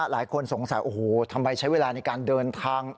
หลายคนสงสัยโอ้โหทำไมใช้เวลาในการเดินทาง